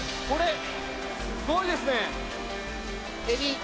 これ。